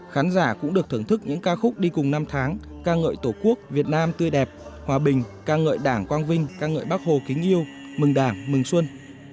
khán giả cũng được thưởng thức những ca khúc đi cùng năm tháng ca ngợi tổ quốc việt nam tươi đẹp hòa bình ca ngợi đảng quang vinh ca ngợi bắc hồ kính yêu mừng đảng mừng xuân